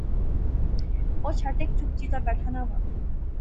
او چھٹ ہک چپ چپیتا بیٹھا ناں وہا